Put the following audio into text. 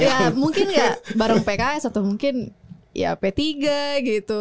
ya mungkin gak bareng pks atau mungkin ya p tiga gitu